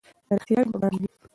که رښتیا وي نو ډار نه وي.